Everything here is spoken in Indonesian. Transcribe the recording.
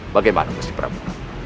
bagaimana masih prabu